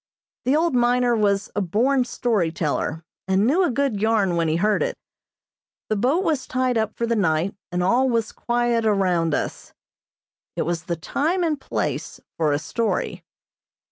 The old miner was a born story teller, and knew a good yarn when he heard it. The boat was tied up for the night, and all was quiet around us. It was the time and place for a story.